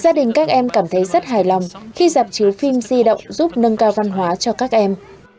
nhưng các em cảm thấy rất hài lòng khi giạp chiếu phim di động giúp nâng cao văn hóa cho các em